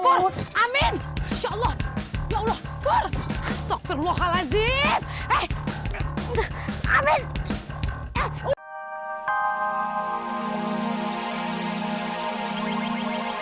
ya allah amin insyaallah ya allah astagfirullahaladzim amin